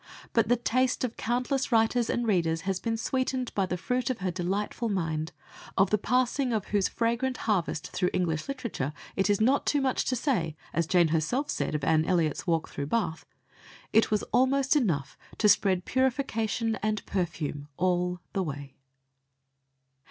But the taste of countless writers and readers has been sweetened by the fruit of her delightful mind, of the passing of whose fragrant harvest through English literature it is not too much to say, as Jane herself said of Anne Elliot's walk through Bath: "It was almost enough to spread purification and perfume all the way."